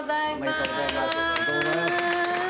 ありがとうございます。